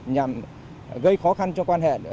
nhằm gây khó khăn cho quan hệ